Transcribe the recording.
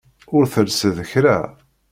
Ur telsiḍ kra.